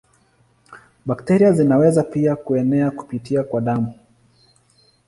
Bakteria zinaweza pia kuenea kupitia kwa damu.